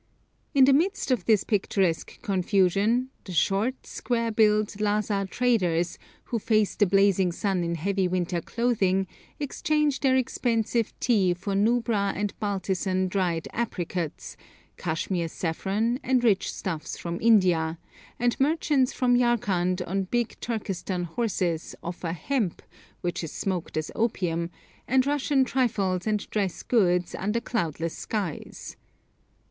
In the midst of this picturesque confusion, the short, square built, Lhassa traders, who face the blazing sun in heavy winter clothing, exchange their expensive tea for Nubra and Baltistan dried apricots, Kashmir saffron, and rich stuffs from India; and merchants from Yarkand on big Turkestan horses offer hemp, which is smoked as opium, and Russian trifles and dress goods, under cloudless skies.